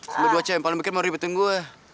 semua dua cewek yang paling bikin mau ribetin gue